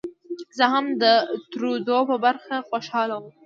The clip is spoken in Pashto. زه هم د ترودو په بري خوشاله شوم.